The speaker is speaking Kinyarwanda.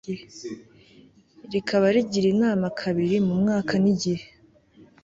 rikaba rigira inama kabiri mu mwaka n igihe